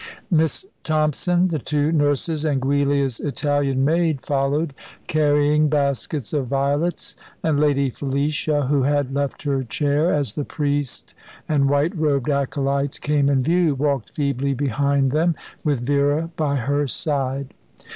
Miss Thompson, the two nurses, and Giulia's Italian maid followed, carrying baskets of violets; and Lady Felicia, who had left her chair as the priest and white robed acolytes came in view, walked feebly behind them, with Vera by her side.